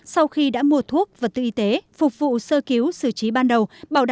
sau khi đã mua thuốc vật tự y tế phục vụ sơ cứu sử trí ban đầu